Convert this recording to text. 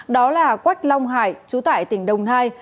đó là quách long hải chú tại tỉnh đồng nai